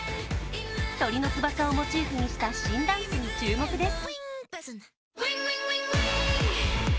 鳥の翼をモチーフにした新ダンスに注目です。